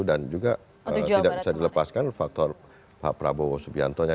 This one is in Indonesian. dan juga tidak bisa dilepaskan faktor pak prabowo subianto nya